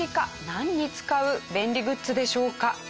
何に使う便利グッズでしょうか？